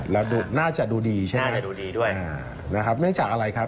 แล้วดูน่าจะดูดีใช่ไหมน่าจะดูดีด้วยนะครับเนื่องจากอะไรครับ